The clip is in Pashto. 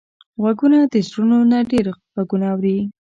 غوږونه د زړونو نه ډېر غږونه اوري